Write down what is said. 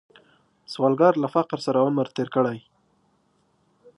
سوالګر له فقر سره عمر تیر کړی